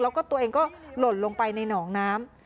แล้วก็ตัวเองก็หล่นลงไปในหนองน้ำ